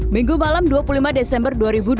minggu malam dua puluh lima desember dua ribu dua puluh